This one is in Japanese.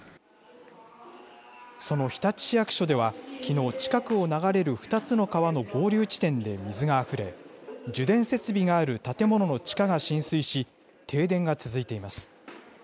その日立市役所では、きのう、近くを流れる２つの川の合流地点で水があふれ、受電設備がある建物の地下が浸水し、停電が続いています。